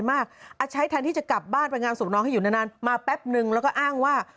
ใช้แทนที่จะกลับบ้านไปงานศพน้องให้อยู่นานมาแป๊บนึงแล้วก็อ้างว่า